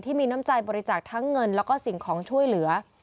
ที่มีน้ำใจบริจาคทั้งเงินและสิ่งของช่วยเหลือ